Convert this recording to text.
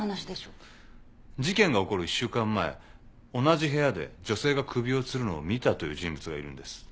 事件が起こる１週間前同じ部屋で女性が首をつるのを見たという人物がいるんです。